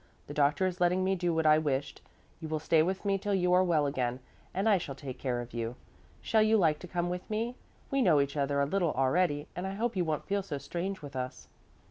The doctor is letting me do what I wished: you will stay with me till you are well again, and I shall take care of you. Shall you like to come with me? We know each other a little already and I hope you won't feel so strange with us."